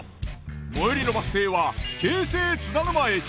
最寄りのバス停は京成津田沼駅。